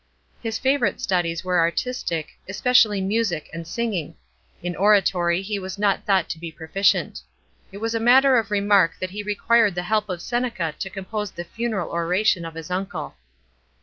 His favourite studies were artistic, especially music and singing ; in oiatory he was not thought to be proficient. It was a matter of remark that he required the help oi Seneca to compose the funeral oration of his uncle.